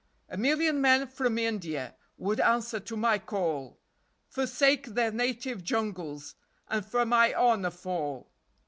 A million men from India Would answer to my call, Forsake their native jungles, And for my honor fall.